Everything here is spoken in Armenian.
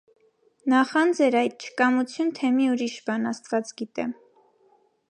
Նախա՞նձ էր այդ, չկամությո՞ւն, թե՞ մի ուրիշ բան,- աստված գիտե.